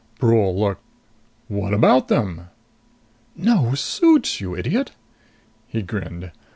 Brule looked. "What about them?" "No suits, you idiot!" He grinned.